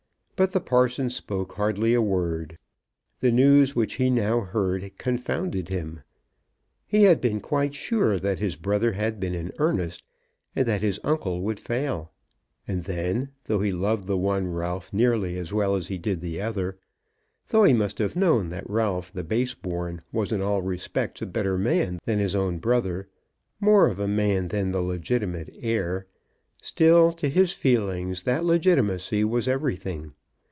But the parson spoke hardly a word. The news which he now heard confounded him. He had been quite sure that his brother had been in earnest, and that his uncle would fail. And then, though he loved the one Ralph nearly as well as he did the other, though he must have known that Ralph the base born was in all respects a better man than his own brother, more of a man than the legitimate heir, still to his feelings that legitimacy was everything.